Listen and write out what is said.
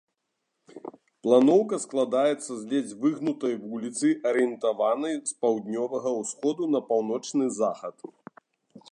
Планоўка складаецца з ледзь выгнутай вуліцы, арыентаванай з паўднёвага ўсходу на паўночны захад.